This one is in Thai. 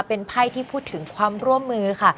เป็นไพ่ที่พูดถึงความร่วมมือค่ะ